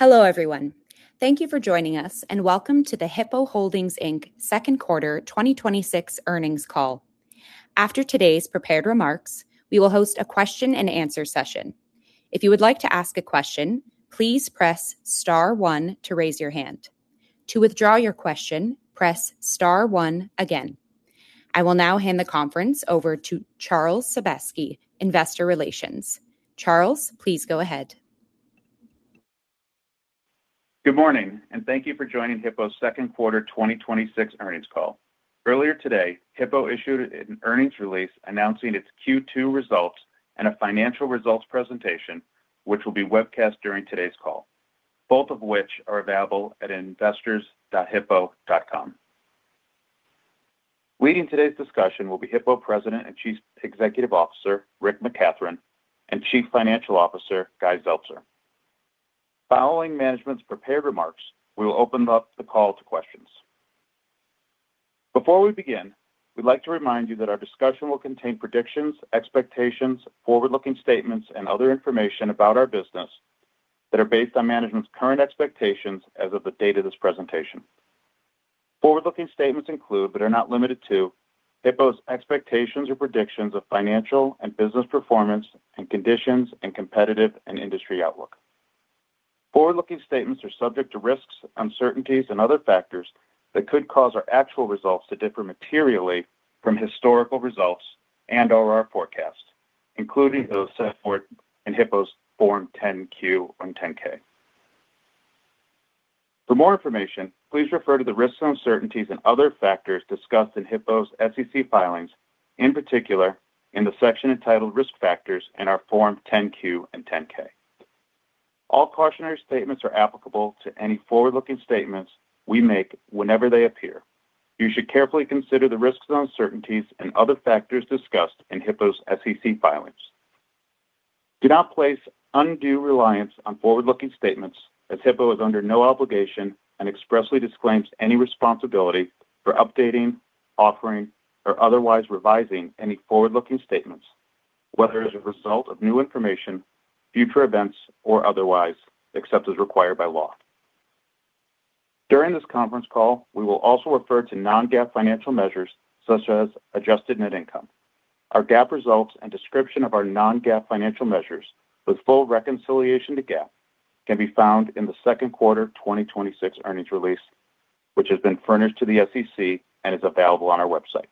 Hello, everyone. Thank you for joining us, and welcome to the Hippo Holdings Inc. Second Quarter 2026 Earnings Call. After today's prepared remarks, we will host a question-and-answer session. If you would like to ask a question, please press star one to raise your hand. To withdraw your question, press star one again. I will now hand the conference over to Charles Sebaski, Investor Relations. Charles, please go ahead. Good morning. Thank you for joining Hippo's second quarter 2026 earnings call. Earlier today, Hippo issued an earnings release announcing its Q2 results and a financial results presentation, which will be webcast during today's call, both of which are available at investors.hippo.com. Leading today's discussion will be Hippo President and Chief Executive Officer Rick McCathron and Chief Financial Officer Guy Zeltser. Following management's prepared remarks, we will open up the call to questions. Before we begin, we'd like to remind you that our discussion will contain predictions, expectations, forward-looking statements, and other information about our business that are based on management's current expectations as of the date of this presentation. Forward-looking statements include, but are not limited to, Hippo's expectations or predictions of financial and business performance and conditions and competitive and industry outlook. Forward-looking statements are subject to risks, uncertainties, and other factors that could cause our actual results to differ materially from historical results and/or our forecasts, including those set forth in Hippo's Form 10-Q and 10-K. For more information, please refer to the risks and uncertainties and other factors discussed in Hippo's SEC filings, in particular, in the section entitled "Risk Factors" in our Form 10-Q and 10-K. All cautionary statements are applicable to any forward-looking statements we make whenever they appear. You should carefully consider the risks and uncertainties and other factors discussed in Hippo's SEC filings. Do not place undue reliance on forward-looking statements, as Hippo is under no obligation and expressly disclaims any responsibility for updating, offering, or otherwise revising any forward-looking statements, whether as a result of new information, future events, or otherwise, except as required by law. During this conference call, we will also refer to non-GAAP financial measures such as adjusted net income. Our GAAP results and description of our non-GAAP financial measures with full reconciliation to GAAP can be found in the second quarter 2026 earnings release, which has been furnished to the SEC and is available on our website.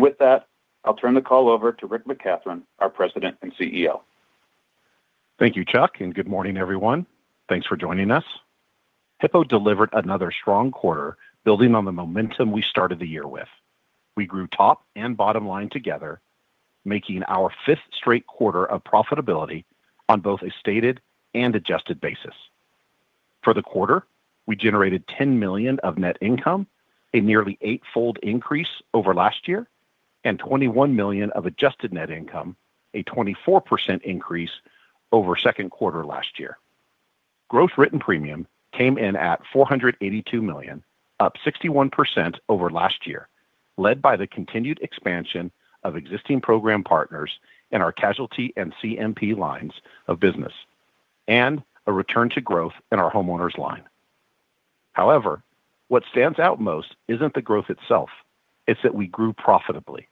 With that, I'll turn the call over to Rick McCathron, our President and CEO. Thank you, Chuck, and good morning, everyone. Thanks for joining us. Hippo delivered another strong quarter building on the momentum we started the year with. We grew top and bottom line together, making our fifth straight quarter of profitability on both a stated and adjusted basis. For the quarter, we generated $10 million of net income, a nearly eightfold increase over last year, and $21 million of adjusted net income, a 24% increase over second quarter last year. Gross written premium came in at $482 million, up 61% over last year, led by the continued expansion of existing program partners in our casualty and CMP lines of business and a return to growth in our homeowners line. What stands out most isn't the growth itself; it's that we grew profitably.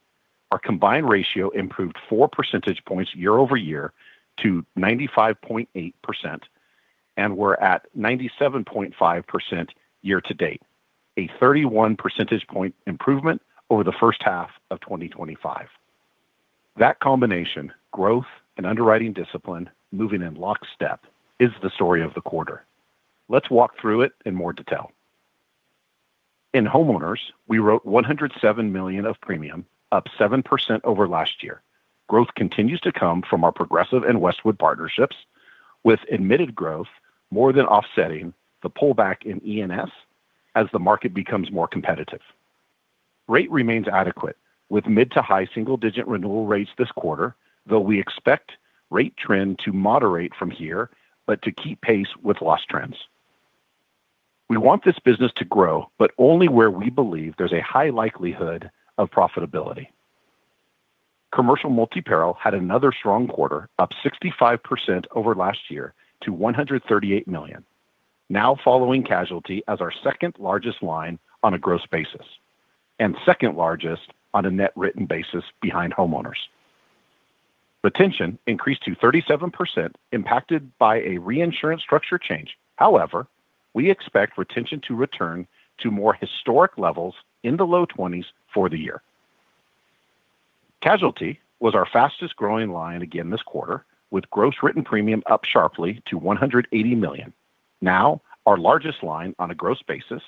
Our combined ratio improved four percentage points year-over-year to 95.8%, and we're at 97.5% year-to-date, a 31 percentage point improvement over the first half of 2025. That combination, growth and underwriting discipline moving in lockstep, is the story of the quarter. Let's walk through it in more detail. In homeowners, we wrote $107 million of premium, up 7% over last year. Growth continues to come from our Progressive and Westwood partnerships, with admitted growth more than offsetting the pullback in E&S as the market becomes more competitive. Rate remains adequate, with mid- to high single-digit renewal rates this quarter, though we expect rate trend to moderate from here to keep pace with loss trends. We want this business to grow, but only where we believe there's a high likelihood of profitability. Commercial multi-peril had another strong quarter, up 65% over last year to $138 million. Now following casualty as our second largest line on a gross basis and second largest on a net written basis behind homeowners. Retention increased to 37%, impacted by a reinsurance structure change. We expect retention to return to more historic levels in the low twenties for the year. Casualty was our fastest-growing line again this quarter, with gross written premium up sharply to $180 million. Now our largest line on a gross basis,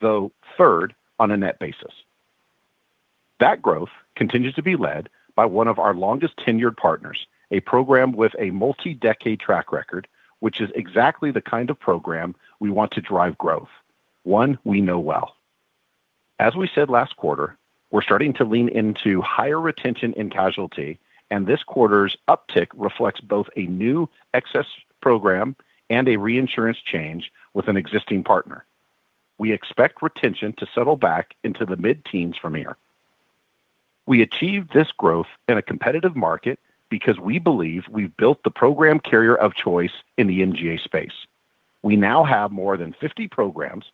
though third on a net basis. That growth continues to be led by one of our longest-tenured partners, a program with a multi-decade track record, which is exactly the kind of program we want to drive growth, one we know well. As we said last quarter, we're starting to lean into higher retention in casualty, and this quarter's uptick reflects both a new excess program and a reinsurance change with an existing partner. We expect retention to settle back into the mid-teens from here. We achieved this growth in a competitive market because we believe we've built the program carrier of choice in the MGA space. We now have more than 50 programs,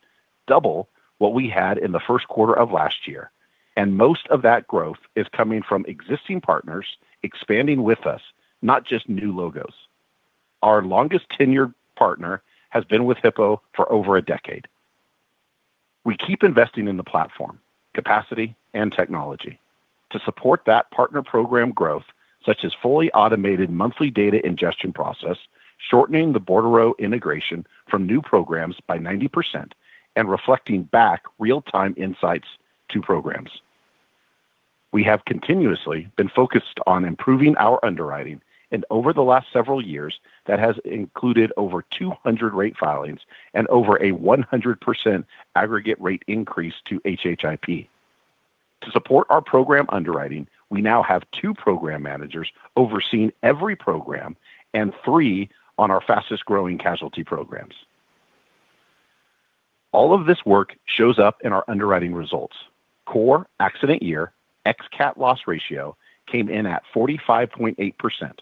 double what we had in the first quarter of last year. Most of that growth is coming from existing partners expanding with us, not just new logos. Our longest-tenured partner has been with Hippo for over a decade. We keep investing in the platform, capacity, and technology to support that partner program growth, such as fully automated monthly data ingestion process, shortening the bordereau integration from new programs by 90%, and reflecting back real-time insights to programs. We have continuously been focused on improving our underwriting, and over the last several years, that has included over 200 rate filings and over a 100% aggregate rate increase to HIPP. To support our program underwriting, we now have two program managers overseeing every program and three on our fastest-growing casualty programs. All of this work shows up in our underwriting results. Core accident year ex-CAT loss ratio came in at 45.8%,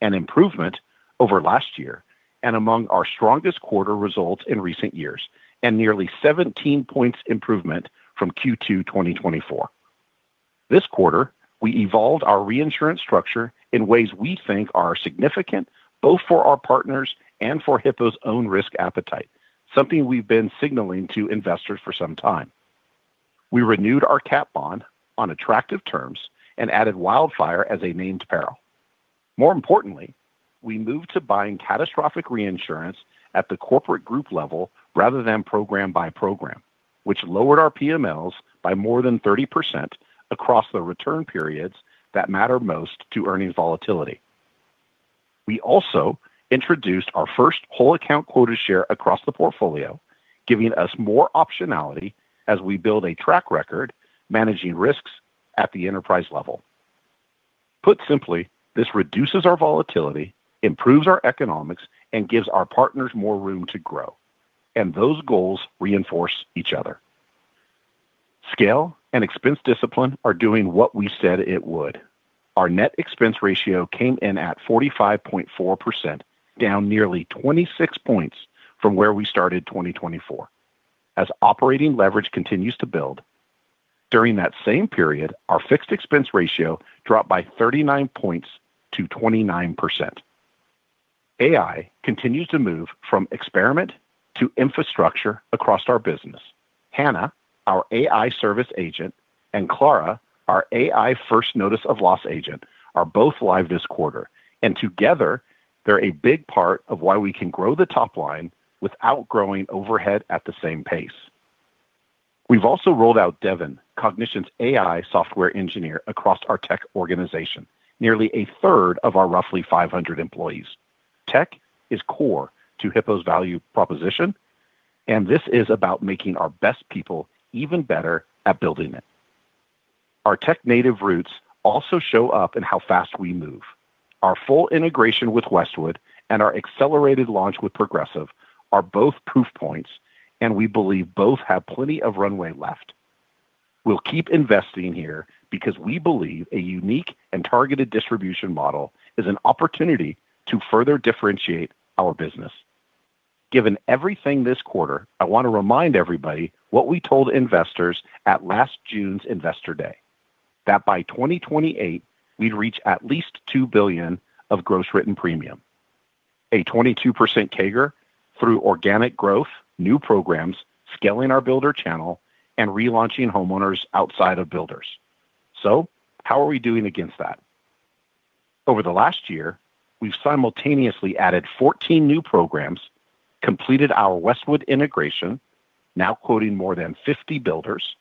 an improvement over last year and among our strongest quarter results in recent years, and nearly 17 points improvement from Q2 2024. This quarter, we evolved our reinsurance structure in ways we think are significant, both for our partners and for Hippo's own risk appetite, something we've been signaling to investors for some time. We renewed our CAT bond on attractive terms and added wildfire as a named peril. More importantly, we moved to buying catastrophic reinsurance at the corporate group level rather than program by program, which lowered our PMLs by more than 30% across the return periods that matter most to earnings volatility. We also introduced our first whole account quota share across the portfolio, giving us more optionality as we build a track record managing risks at the enterprise level. Put simply, this reduces our volatility, improves our economics, and gives our partners more room to grow. Those goals reinforce each other. Scale and expense discipline are doing what we said it would. Our net expense ratio came in at 45.4%, down nearly 26 points from where we started 2024. As operating leverage continues to build, during that same period, our fixed expense ratio dropped by 39 points to 29%. AI continues to move from experiment to infrastructure across our business. Hannah, our AI service agent, and Clara, our AI First Notice of Loss agent, are both live this quarter, and together they're a big part of why we can grow the top line without growing overhead at the same pace. We've also rolled out Devin, Cognition's AI software engineer across our tech organization, nearly a third of our roughly 500 employees. Tech is core to Hippo's value proposition, and this is about making our best people even better at building it. Our tech-native roots also show up in how fast we move. Our full integration with Westwood and our accelerated launch with Progressive are both proof points. We believe both have plenty of runway left. We'll keep investing here because we believe a unique and targeted distribution model is an opportunity to further differentiate our business. Given everything this quarter, I want to remind everybody what we told investors at last June's Investor Day: that by 2028 we'd reach at least $2 billion of gross written premium, a 22% CAGR through organic growth, new programs, scaling our builder channel, and relaunching homeowners outside of builders. How are we doing against that? Over the last year, we've simultaneously added 14 new programs, completed our Westwood integration, now quoting more than 50 builders,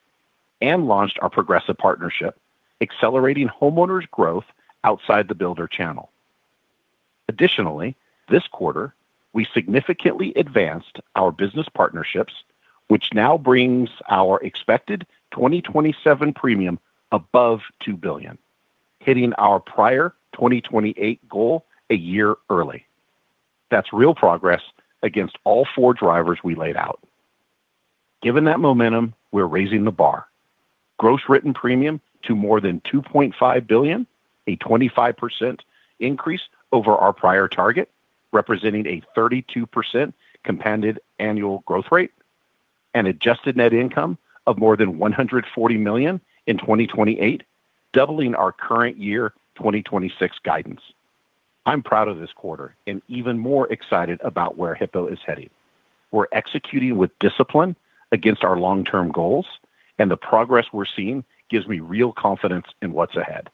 and launched our Progressive partnership, accelerating homeowners' growth outside the builder channel. Additionally, this quarter, we significantly advanced our business partnerships, which now brings our expected 2027 premium above $2 billion, hitting our prior 2028 goal a year early. That's real progress against all four drivers we laid out. Given that momentum, we're raising the bar. Gross written premium to more than $2.5 billion, a 25% increase over our prior target, representing a 32% compounded annual growth rate and adjusted net income of more than $140 million in 2028, doubling our current year, 2026, guidance. I'm proud of this quarter and even more excited about where Hippo is heading. We're executing with discipline against our long-term goals, and the progress we're seeing gives me real confidence in what's ahead.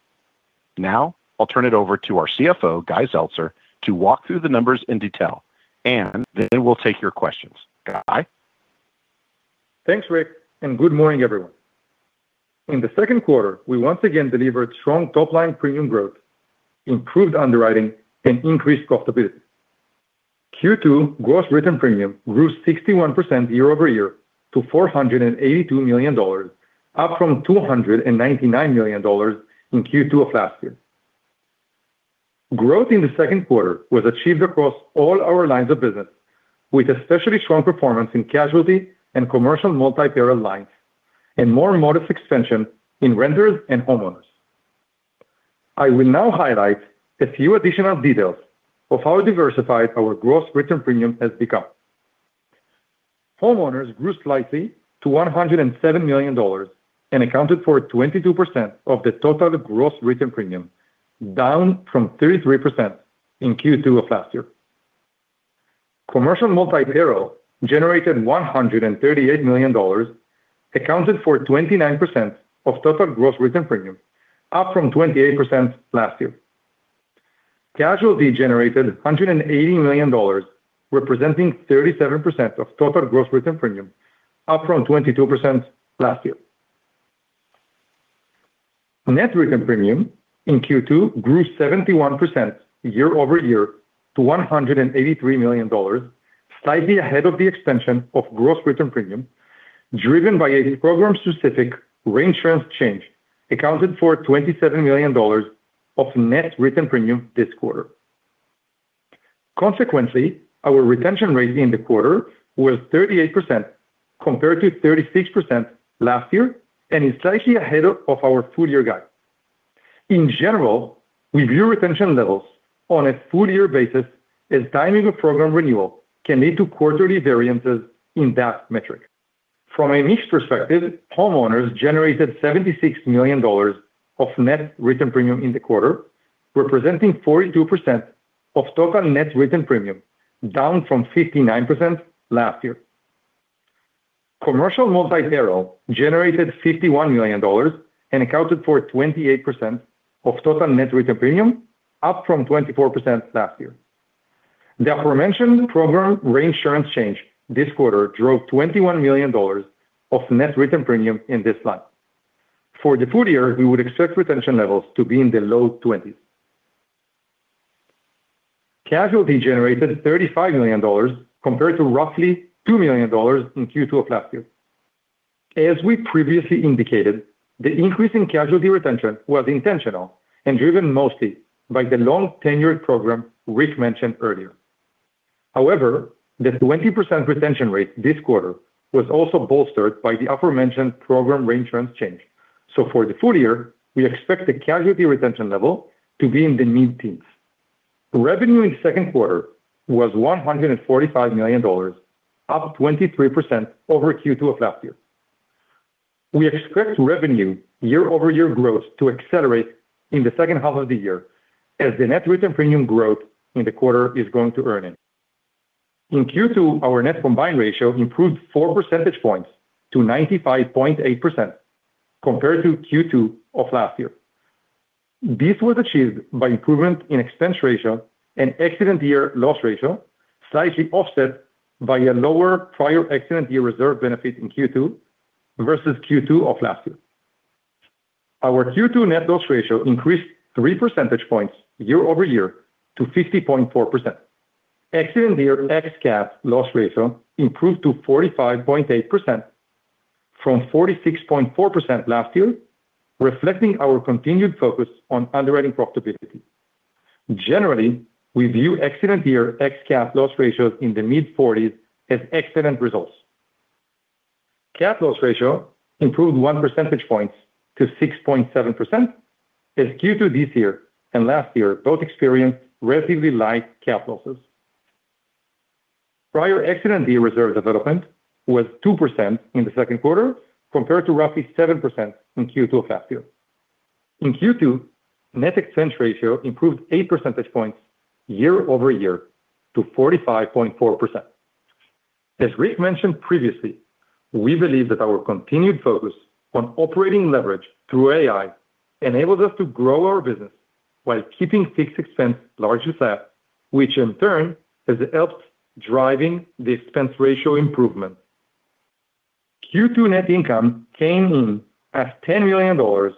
I'll turn it over to our CFO, Guy Zeltser, to walk through the numbers in detail, and then we'll take your questions. Guy? Thanks, Rick, and good morning, everyone. In the second quarter, we once again delivered strong top-line premium growth, improved underwriting, and increased profitability. Q2 gross written premium grew 61% year-over-year to $482 million, up from $299 million in Q2 of last year. Growth in the second quarter was achieved across all our lines of business, with especially strong performance in casualty and commercial multi-peril lines and more modest expansion in renters and homeowners. I will now highlight a few additional details of how diversified our gross written premium has become. Homeowners grew slightly to $107 million and accounted for 22% of the total gross written premium, down from 33% in Q2 of last year. Commercial multi-peril generated $138 million, accounted for 29% of total gross written premium, up from 28% last year. Casualty generated $180 million, representing 37% of total gross written premium, up from 22% last year. Net written premium in Q2 grew 71% year-over-year to $183 million, slightly ahead of the extension of gross written premium, driven by a program-specific reinsurance change, accounted for $27 million of net written premium this quarter. Consequently, our retention rate in the quarter was 38% compared to 36% last year and is slightly ahead of our full-year guide. In general, we view retention levels on a full-year basis, as timing of program renewal can lead to quarterly variances in that metric. From a mix perspective, homeowners generated $76 million of net written premium in the quarter, representing 42% of total net written premium, down from 59% last year. Commercial multi-peril generated $51 million and accounted for 28% of total net written premium, up from 24% last year. The aforementioned program reinsurance change this quarter drove $21 million of net written premium in this line. For the full year, we would expect retention levels to be in the low 20s. Casualty generated $35 million compared to roughly $2 million in Q2 of last year. As we previously indicated, the increase in casualty retention was intentional and driven mostly by the long-tenured program Rick mentioned earlier. However, the 20% retention rate this quarter was also bolstered by the aforementioned program reinsurance change. For the full year, we expect the casualty retention level to be in the mid-teens. Revenue in the second quarter was $145 million, up 23% over Q2 of last year. We expect revenue year-over-year growth to accelerate in the second half of the year as the net written premium growth in the quarter is going to earn in. In Q2, our net combined ratio improved four percentage points to 95.8% compared to Q2 of last year. This was achieved by improvement in expense ratio and accident year loss ratio, slightly offset by a lower prior accident year reserve benefit in Q2 versus Q2 of last year. Our Q2 net loss ratio increased three percentage points year-over-year to 50.4%. Accident year x CAT loss ratio improved to 45.8% from 46.4% last year, reflecting our continued focus on underwriting profitability. Generally, we view accident year x CAT loss ratios in the mid-40s as excellent results. CAT loss ratio improved one percentage point to 6.7%, as Q2 this year and last year both experienced relatively light CAT losses. Prior accident year reserve development was 2% in the second quarter compared to roughly 7% in Q2 of last year. In Q2, net expense ratio improved eight percentage points year-over-year to 45.4%. As Rick mentioned previously, we believe that our continued focus on operating leverage through AI enables us to grow our business while keeping fixed expense largely flat, which in turn has helped driving the expense ratio improvement. Q2 net income came in as $10 million, or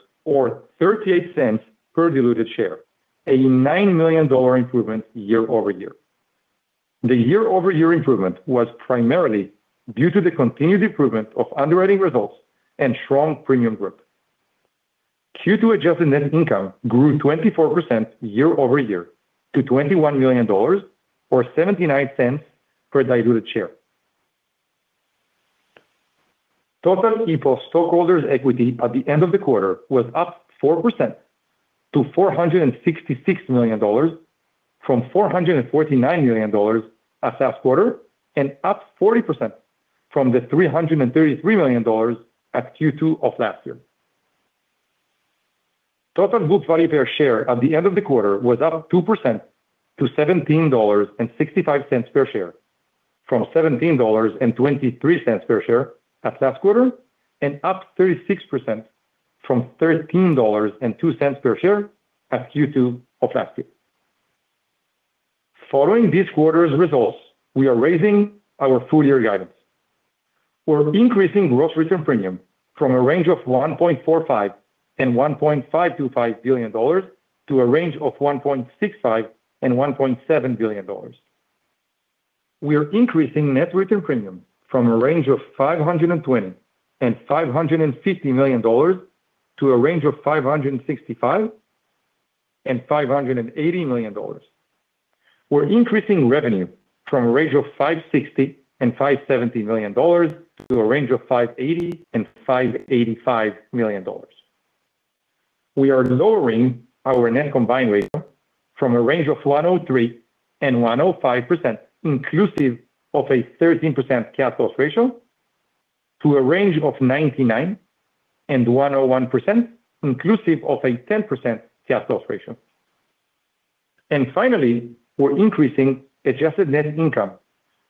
$0.38 per diluted share, a $9 million improvement year-over-year. The year-over-year improvement was primarily due to the continued improvement of underwriting results and strong premium growth. Q2 adjusted net income grew 24% year-over-year to $21 million, or $0.79 per diluted share. Total Hippo stockholders' equity at the end of the quarter was up 4% to $466 million from $449 million as last quarter and up 40% from the $333 million at Q2 of last year. Total book value per share at the end of the quarter was up 2% to $17.65 per share from $17.23 per share at last quarter and up 36% from $13.02 per share at Q2 of last year. Following this quarter's results, we are raising our full year guidance. We're increasing gross written premium from a range of $1.45 billion-$1.525 billion to a range of $1.65 billion-$1.7 billion. We are increasing net written premium from a range of $520 million-$550 million to a range of $565 million-$580 million. We're increasing revenue from a range of $560 million-$570 million to a range of $580 million-$585 million. We are lowering our net combined ratio from a range of 103%-105%, inclusive of a 13% cat loss ratio, to a range of 99%-101%, inclusive of a 10% cat loss ratio. Finally, we're increasing adjusted net income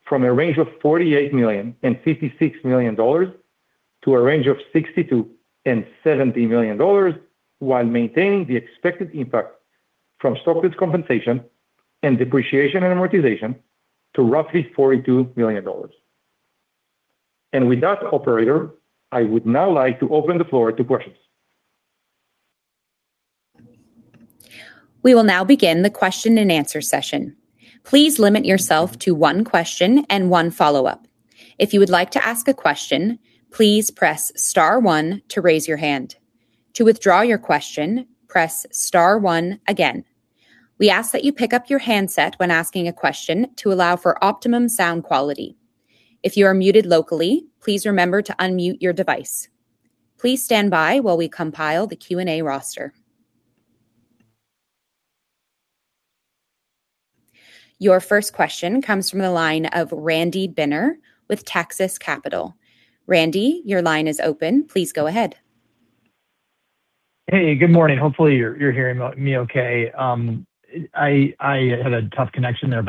from a range of $48 million-$56 million to a range of $62 million-$70 million, while maintaining the expected impact from stock-based compensation and depreciation and amortization to roughly $42 million. With that, operator, I would now like to open the floor to questions. We will now begin the question and answer session. Please limit yourself to one question and one follow-up. If you would like to ask a question, please press star one to raise your hand. To withdraw your question, press star one again. We ask that you pick up your handset when asking a question to allow for optimum sound quality. If you are muted locally, please remember to unmute your device. Please stand by while we compile the Q&A roster. Your first question comes from the line of Randy Binner with Texas Capital. Randy, your line is open. Please go ahead. Hey, good morning. Hopefully, you're hearing me okay. I had a tough connection there.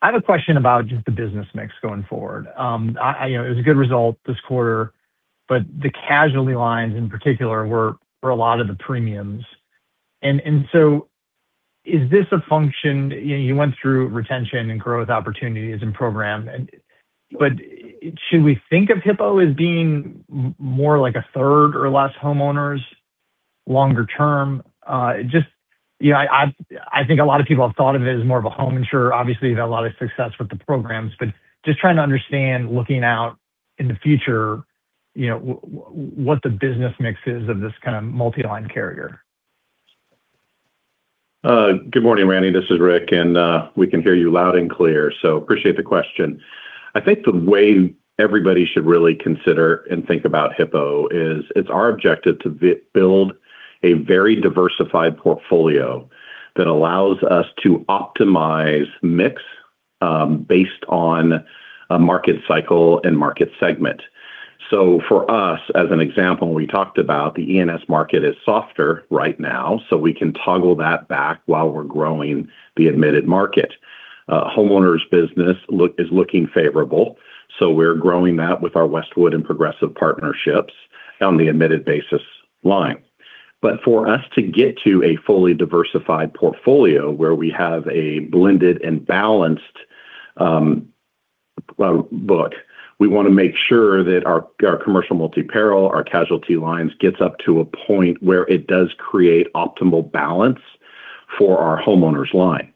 I have a question about just the business mix going forward. It was a good result this quarter, but the casualty lines in particular were a lot of the premiums. Is this a function you went through retention and growth opportunities and programs, but should we think of Hippo as being more like a third or less homeowners longer term? I think a lot of people have thought of it as more of a home insurer. Obviously, you've had a lot of success with the programs, but just trying to understand, looking out in the future, what the business mix is of this kind of multi-line carrier. Good morning, Randy. This is Rick. We can hear you loud and clear, so appreciate the question. I think the way everybody should really consider and think about Hippo is it's our objective to build a very diversified portfolio that allows us to optimize mix based on a market cycle and market segment. For us, as an example, we talked about the E&S market is softer right now, so we can toggle that back while we're growing the admitted market. Homeowners' business is looking favorable, so we're growing that with our Westwood and Progressive partnerships on the admitted basis line. For us to get to a fully diversified portfolio where we have a blended and balanced book, we want to make sure that our commercial multi-peril, our casualty lines, gets up to a point where it does create optimal balance for our homeowners line.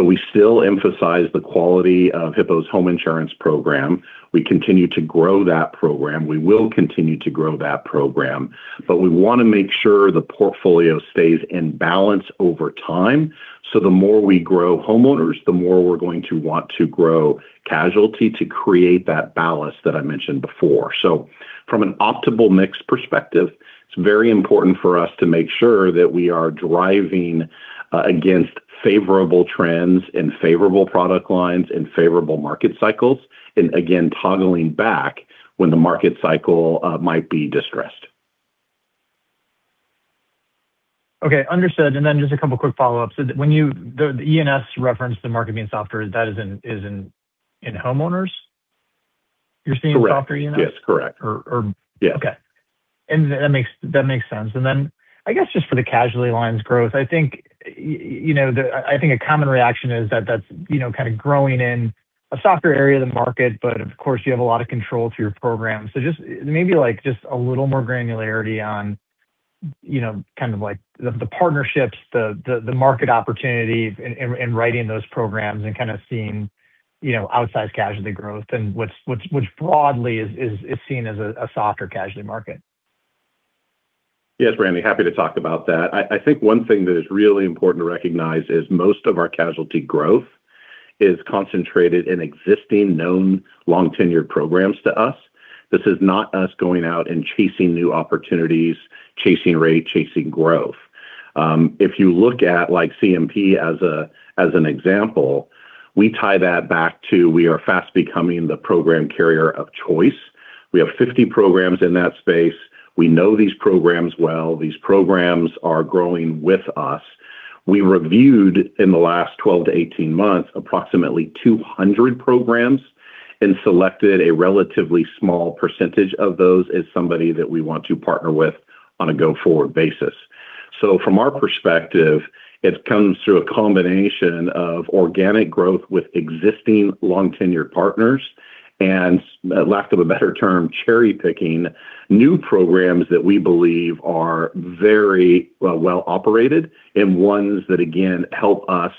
We still emphasize the quality of Hippo's home insurance program. We continue to grow that program. We will continue to grow that program. We want to make sure the portfolio stays in balance over time. The more we grow homeowners, the more we're going to want to grow casualty to create that balance that I mentioned before. From an optimal mix perspective, it's very important for us to make sure that we are driving against favorable trends and favorable product lines and favorable market cycles and, again, toggling back when the market cycle might be distressed. Okay, understood. Then just a couple quick follow-ups. The E&S reference, the market being softer, that is in homeowners? You're seeing softer E&S? Correct. Yes, correct. Or- Yeah. Okay. That makes sense. Then I guess just for the casualty lines' growth, I think a common reaction is that that's kind of growing in a softer area of the market; of course, you have a lot of control to your program. Just maybe just a little more granularity on kind of the partnerships, the market opportunities, and writing those programs and kind of seeing outsized casualty growth and what's broadly is seen as a softer casualty market. Yes, Randy, happy to talk about that. I think one thing that is really important to recognize is most of our casualty growth is concentrated in existing, known, long-tenured programs to us. This is not us going out and chasing new opportunities, chasing rate, chasing growth. If you look at CMP as an example, we tie that back to we are fast becoming the program carrier of choice. We have 50 programs in that space. We know these programs well. These programs are growing with us. We reviewed, in the last 12 to 18 months, approximately 200 programs and selected a relatively small percentage of those as somebody that we want to partner with on a go-forward basis. From our perspective, it comes through a combination of organic growth with existing long-tenured partners for lack of a better term, cherry-picking new programs that we believe are very well operated and ones that, again, help us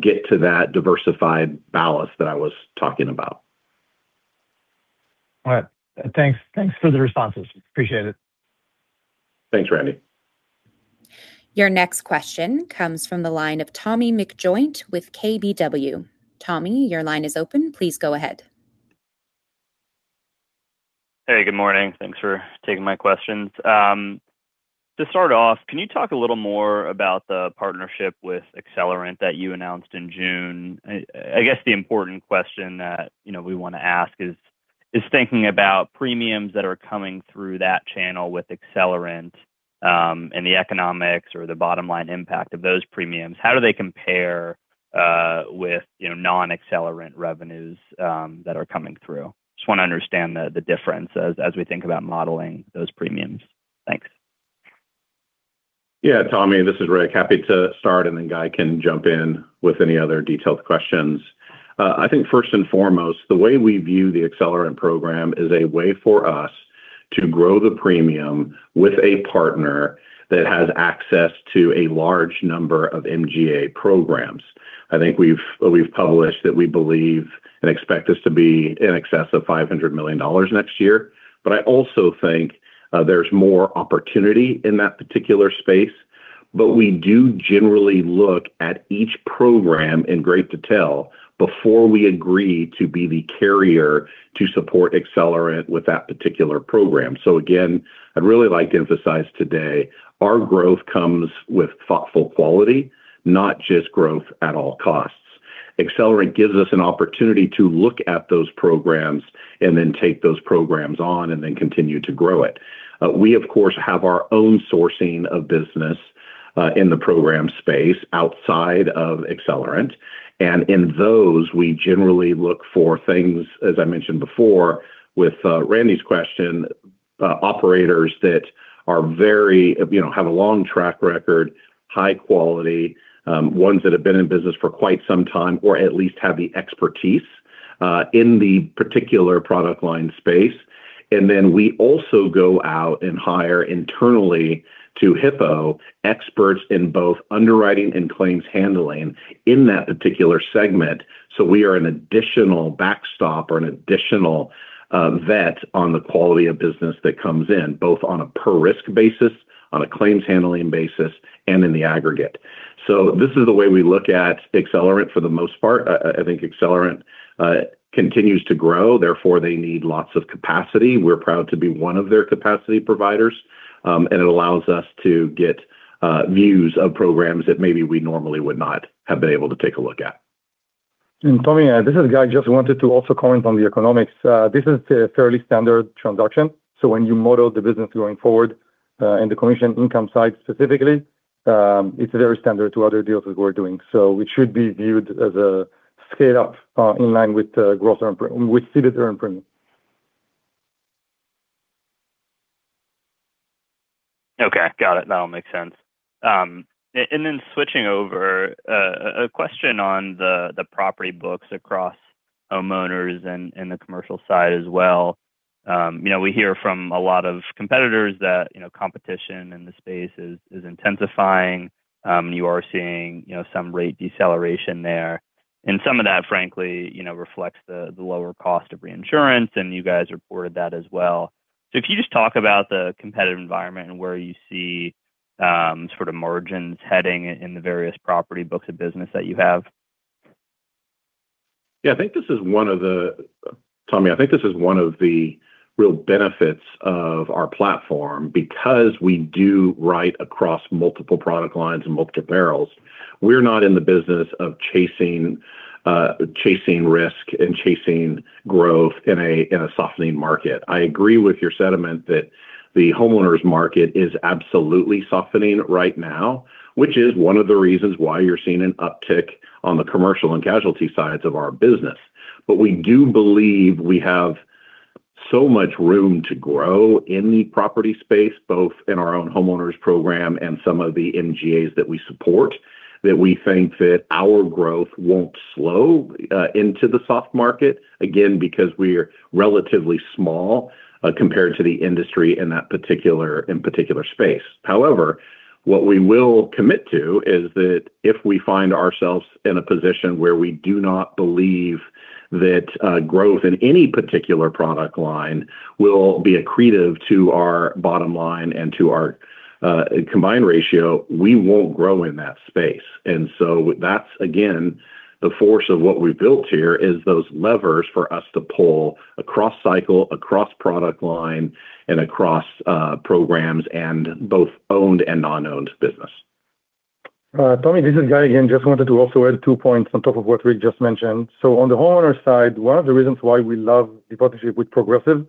get to that diversified ballast that I was talking about. All right. Thanks for the responses. Appreciate it. Thanks, Randy. Your next question comes from the line of Tommy McJoynt with KBW. Tommy, your line is open. Please go ahead. Hey, good morning. Thanks for taking my questions. To start off, can you talk a little more about the partnership with Accelerant that you announced in June? I guess the important question that we want to ask is thinking about premiums that are coming through that channel with Accelerant and the economics or the bottom line impact of those premiums. How do they compare with non-Accelerant revenues that are coming through? Just want to understand the difference as we think about modeling those premiums. Thanks. Yeah. Tommy, this is Rick. Happy to start, and then Guy can jump in with any other detailed questions. I think first and foremost, the way we view the Accelerant program is a way for us to grow the premium with a partner that has access to a large number of MGA programs. I think we've published that we believe and expect this to be in excess of $500 million next year, but I also think there's more opportunity in that particular space. We do generally look at each program in great detail before we agree to be the carrier to support Accelerant with that particular program. Again, I'd really like to emphasize today, our growth comes with thoughtful quality, not just growth at all costs. Accelerant gives us an opportunity to look at those programs and then take those programs on and then continue to grow it. We, of course, have our own sourcing of business in the program space outside of Accelerant. In those, we generally look for things, as I mentioned before with Randy's question, operators that have a long track record, high quality, ones that have been in business for quite some time, or at least have the expertise in the particular product line space. Then we also go out and hire internally to Hippo experts in both underwriting and claims handling in that particular segment. We are an additional backstop or an additional vet on the quality of business that comes in, both on a per-risk basis, on a claims-handling basis, and in the aggregate. This is the way we look at Accelerant for the most part. I think Accelerant continues to grow; therefore, they need lots of capacity. We're proud to be one of their capacity providers, and it allows us to get views of programs that maybe we normally would not have been able to take a look at. Tommy, this is Guy. Just wanted to also comment on the economics. This is a fairly standard transaction. When you model the business going forward, in the commission income side specifically, it's very standard to other deals that we're doing. It should be viewed as a scale-up in line with ceded earned premium. Okay. Got it. That all makes sense. Then switching over, a question on the property books across homeowners and the commercial side as well. We hear from a lot of competitors that competition in the space is intensifying. You are seeing some rate deceleration there. Some of that, frankly, reflects the lower cost of reinsurance, and you guys reported that as well. If you just talk about the competitive environment and where you see margins heading in the various property books of business that you have. Tommy, I think this is one of the real benefits of our platform, because we do ride across multiple product lines and multiple barrels. We're not in the business of chasing risk and chasing growth in a softening market. I agree with your sentiment that the homeowners market is absolutely softening right now, which is one of the reasons why you're seeing an uptick on the commercial and casualty sides of our business. We do believe we have so much room to grow in the property space, both in our own homeowners program and some of the MGAs that we support, that we think that our growth won't slow into the soft market again because we're relatively small compared to the industry in that particular space. However, what we will commit to is that if we find ourselves in a position where we do not believe that growth in any particular product line will be accretive to our bottom line and to our combined ratio, we won't grow in that space. That's, again, the force of what we've built here, is those levers for us to pull across cycle, across product line, and across programs and both owned and non-owned business. Tommy, this is Guy again. I just wanted to also add two points on top of what Rick just mentioned. On the homeowner side, one of the reasons why we love the partnership with Progressive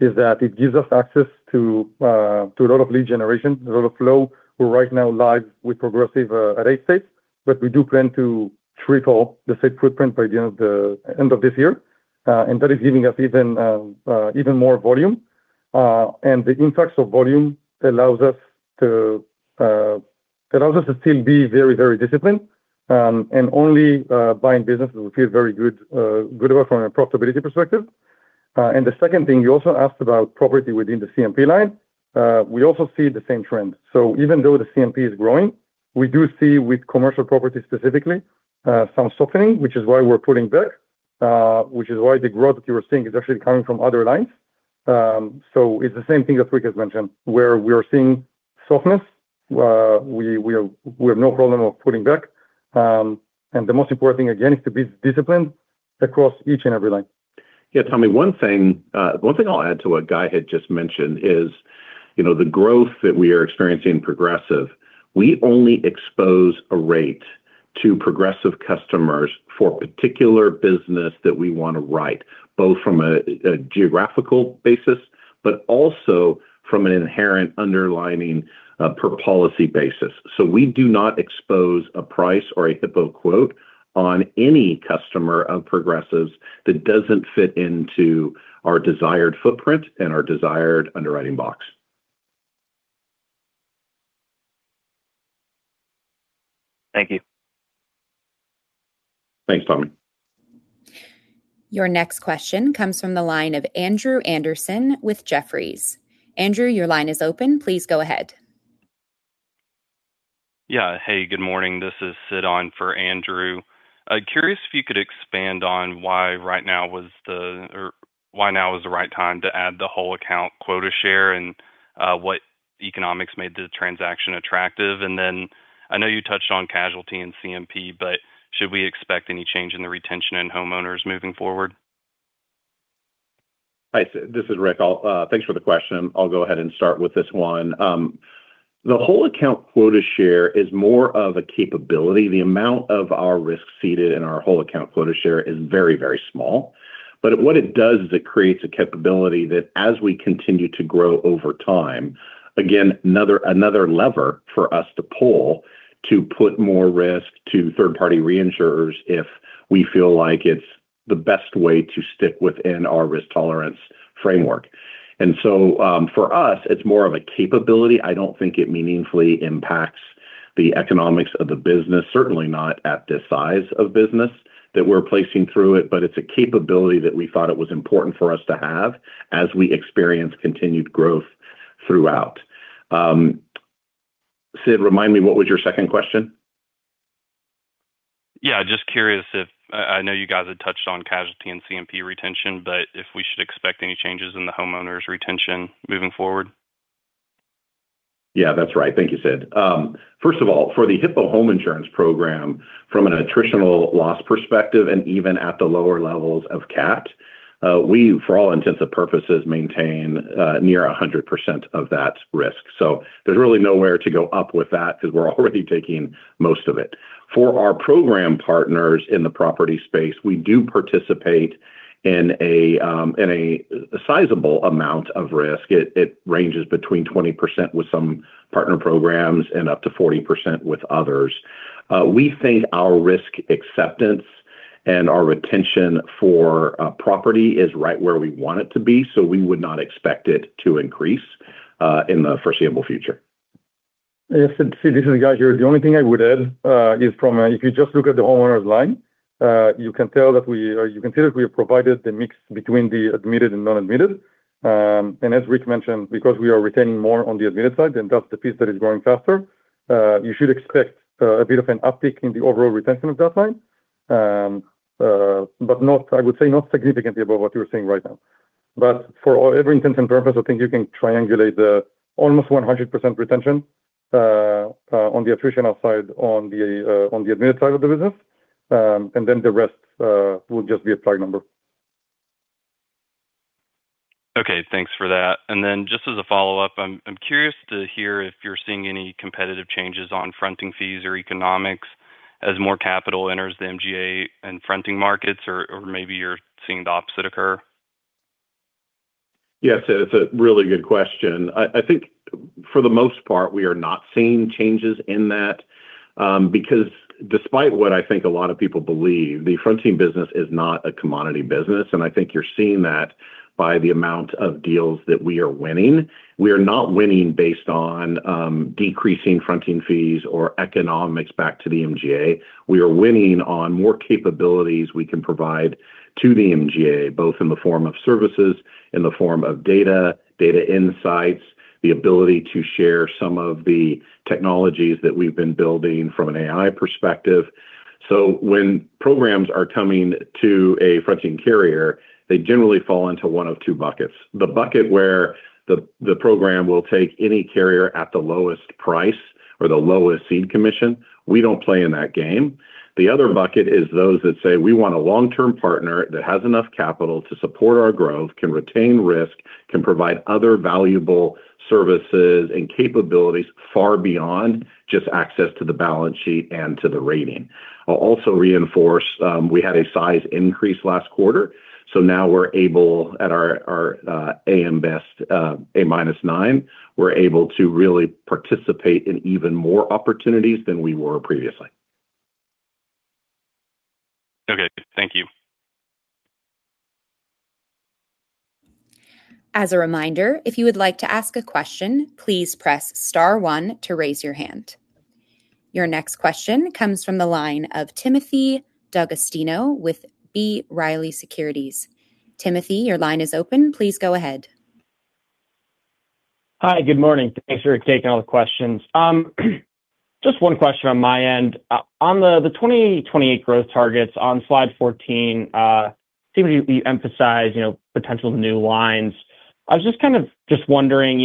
is that it gives us access to a lot of lead generation, a lot of flow. We are right now live with Progressive at eight states, but we do plan to triple the state footprint by the end of this year. That is giving us even more volume. The influx of volume allows us to still be very disciplined and only buying businesses we feel very good about from a profitability perspective. The second thing: you also asked about property within the CMP line. We also see the same trend. Even though the CMP is growing, we do see with commercial property, specifically, some softening, which is why we are pulling back, which is why the growth that you are seeing is actually coming from other lines. It is the same thing that Rick has mentioned, where we are seeing softness. We have no problem of pulling back. The most important thing, again, is to be disciplined across each and every line. Tommy, one thing I will add to what Guy had just mentioned is the growth that we are experiencing in Progressive; we only expose a rate to Progressive customers for particular business that we want to write, both from a geographical basis, but also from an inherent underlying per-policy basis. We do not expose a price or a Hippo quote on any customer of Progressive's that does not fit into our desired footprint and our desired underwriting box. Thank you. Thanks, Tommy. Your next question comes from the line of Andrew Andersen with Jefferies. Andrew, your line is open. Please go ahead. Hey, good morning. This is Sid on for Andrew. Curious if you could expand on why now is the right time to add the whole account quota share and what economics made the transaction attractive. I know you touched on casualty and CMP, but should we expect any change in the retention in homeowners moving forward? Hi, Sid. This is Rick. Thanks for the question. I'll go ahead and start with this one. The whole account quota share is more of a capability. The amount of our risk seated in our whole account's quota share is very small. What it does is it creates a capability that as we continue to grow over time, again, another lever for us to pull to put more risk to third-party reinsurers if we feel like it's the best way to stick within our risk tolerance framework. For us, it's more of a capability. I don't think it meaningfully impacts the economics of the business, certainly not at the size of business that we're placing through it, but it's a capability that we thought it was important for us to have as we experience continued growth throughout. Sid, remind me, what was your second question? Just curious if I know you guys had touched on casualty and CMP retention, but if we should expect any changes in the homeowners' retention moving forward? That's right. Thank you, Sid. First of all, for the Hippo Home Insurance program, from an attritional loss perspective, and even at the lower levels of CAT, we, for all intents and purposes, maintain near 100% of that risk. There's really nowhere to go up with that because we're already taking most of it. For our program partners in the property space, we do participate in a sizable amount of risk. It ranges between 20% with some partner programs and up to 40% with others. We think our risk acceptance and our retention for property is right where we want it to be, so we would not expect it to increase in the foreseeable future. Sid, this is Guy here. The only thing I would add is from a, if you just look at the homeowner's line, you can tell that we have provided the mix between the admitted and non-admitted. As Rick mentioned, because we are retaining more on the admitted side, and that's the piece that is growing faster, you should expect a bit of an uptick in the overall retention of that line. I would say not significantly above what you're seeing right now. For every intents and purpose, I think you can triangulate the almost 100% retention on the attritional side, on the admitted side of the business, and then the rest will just be a plug number. Okay, thanks for that. Then just as a follow-up, I'm curious to hear if you're seeing any competitive changes on fronting fees or economics as more capital enters the MGA and fronting markets, or maybe you're seeing the opposite occur. Sid, it's a really good question. I think for the most part, we are not seeing changes in that. Despite what I think a lot of people believe, the fronting business is not a commodity business, and I think you're seeing that by the amount of deals that we are winning. We are not winning based on decreasing fronting fees or economics back to the MGA. We are winning on more capabilities we can provide to the MGA, both in the form of services, in the form of data insights, the ability to share some of the technologies that we've been building from an AI perspective. When programs are coming to a fronting carrier, they generally fall into one of two buckets. The bucket where the program will take any carrier at the lowest price or the lowest cede commission, we don't play in that game. The other bucket is those that say, "We want a long-term partner that has enough capital to support our growth, can retain risk, can provide other valuable services and capabilities far beyond just access to the balance sheet and to the rating. "I'll also reinforce we had a size increase last quarter. Now we're able at our AM Best A- nine, we're able to really participate in even more opportunities than we were previously. Okay, thank you. As a reminder, if you would like to ask a question, please press star one to raise your hand. Your next question comes from the line of Timothy D'Agostino with B. Riley Securities. Timothy, your line is open. Please go ahead. Hi, good morning. Thanks for taking all the questions. Just one question on my end. On the 2028 growth targets on slide 14 seem to emphasize potential new lines. I was just kind of wondering,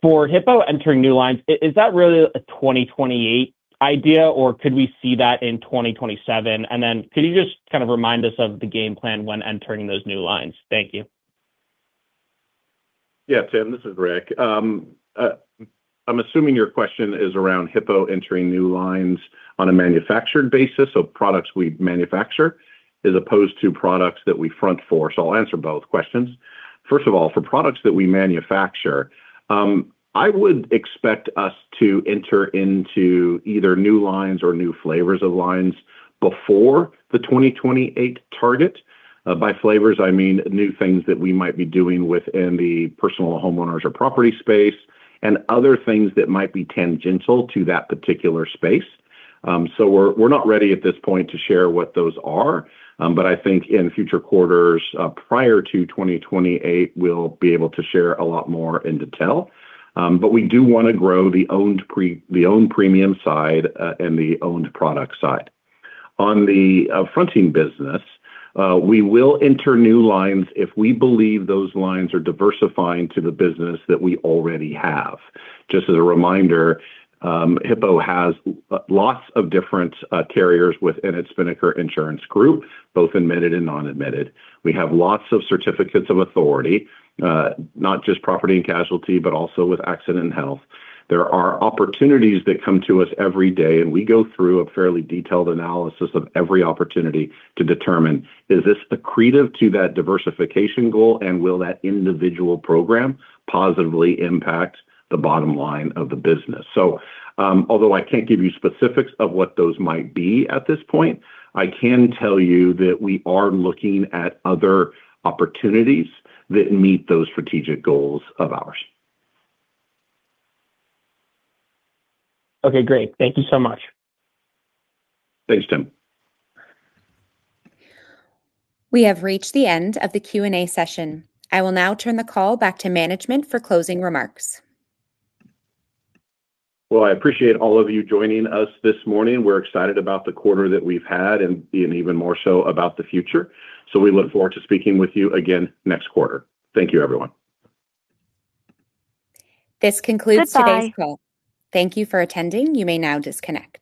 for Hippo entering new lines, is that really a 2028 idea, or could we see that in 2027? Could you just kind of remind us of the game plan when entering those new lines? Thank you. Tim, this is Rick. I'm assuming your question is around Hippo entering new lines on a manufactured basis, so products we manufacture as opposed to products that we front for. I'll answer both questions. First of all, for products that we manufacture, I would expect us to enter into either new lines or new flavors of lines before the 2028 target. By "flavors," I mean new things that we might be doing within the personal homeowners or property space and other things that might be tangential to that particular space. We're not ready at this point to share what those are, but I think in future quarters, prior to 2028, we'll be able to share a lot more in detail. We do want to grow the own premium side and the owned product side. On the fronting business, we will enter new lines if we believe those lines are diversifying to the business that we already have. Just as a reminder, Hippo has lots of different carriers within its Spinnaker Insurance Company, both admitted and non-admitted. We have lots of certificates of authority, not just property and casualty, but also with accident health. There are opportunities that come to us every day, and we go through a fairly detailed analysis of every opportunity to determine, is this accretive to that diversification goal, and will that individual program positively impact the bottom line of the business? Although I can't give you specifics of what those might be at this point, I can tell you that we are looking at other opportunities that meet those strategic goals of ours. Great. Thank you so much. Thanks, Tim. We have reached the end of the Q&A session. I will now turn the call back to management for closing remarks. Well, I appreciate all of you joining us this morning. We're excited about the quarter that we've had and even more so about the future. We look forward to speaking with you again next quarter. Thank you, everyone. This concludes today's call. Thank you for attending. You may now disconnect.